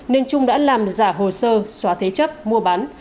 nên trung đã làm giả hồ sơ xóa thế chấp mua bán